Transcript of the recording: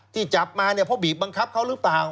จับมาเนี่ยเพราะบีบบังคับเขาหรือเปล่า